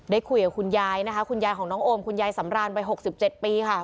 ได้คุยกับคุณยายนะคะคุณยายของน้องโอมคุณยายสำรานวัย๖๗ปีค่ะ